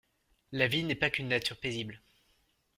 La vie n’est pas qu’une nature paisible.